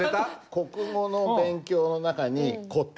国語の勉強の中に「古典」